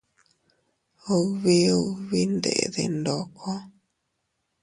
Ubi ubi ndede ndoko.